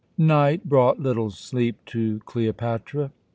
Night brought little sleep to Cleopatra.